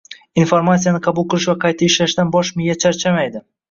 informatsiyani qabul qilish va qayta ishlashdan bosh miya charchamaydi.